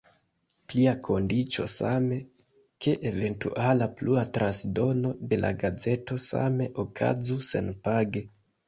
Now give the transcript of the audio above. Plia kondiĉo estas, ke eventuala plua transdono de la gazeto same okazu senpage.